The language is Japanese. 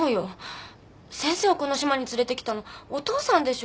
先生をこの島に連れてきたのお父さんでしょ。